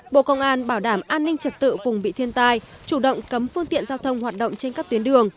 bộ công an bảo đảm an ninh trật tự vùng bị thiên tai chủ động cấm phương tiện giao thông hoạt động trên các tuyến đường